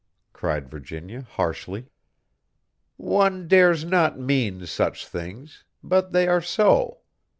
cried Virginia, harshly. "One dares not mean such things; but they are so.